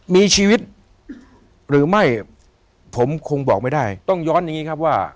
มีชีวิตหรือไม่ผมคงบอกไม่ได้ต้องย้อนอย่างนี้ครับว่า